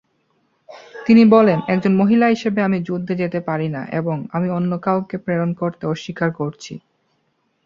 তিনি বলেন, "একজন মহিলা হিসাবে আমি যুদ্ধে যেতে পারি না," এবং "আমি অন্য কাউকে প্রেরণ করতে অস্বীকার করছি।"